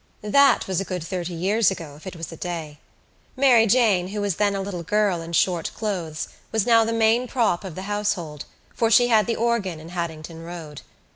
That was a good thirty years ago if it was a day. Mary Jane, who was then a little girl in short clothes, was now the main prop of the household, for she had the organ in Haddington Road.